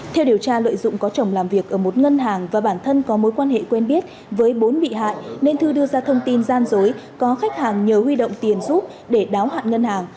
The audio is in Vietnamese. theo điều tra lợi dụng có chồng làm việc ở một ngân hàng và bản thân có mối quan hệ quen biết với bốn bị hại nên thư đưa ra thông tin gian dối có khách hàng nhờ huy động tiền giúp để đáo hạn ngân hàng